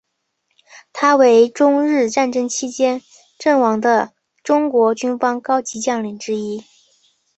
他为中日战争期间阵亡的中国军方高级将领之一。